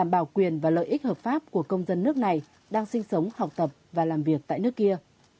quyền và lợi ích hợp pháp của công dân nước này đang sinh sống học tập và làm việc tại nước kia